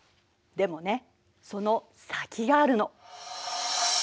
でもねその先があるの。